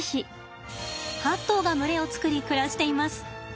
８頭が群れを作り暮らしています。